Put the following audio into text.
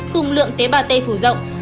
cùng lượng tế bào t phủ rộng